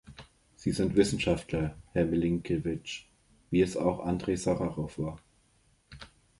Sie sind Wissenschaftler, Herr Milinkewitsch, wie es auch Andrej Sacharow war.